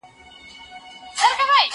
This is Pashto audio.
زه پرون ليکنې کوم؟